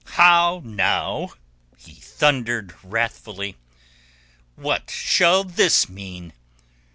"How now?" he thundered wrathfully. "What shall this mean?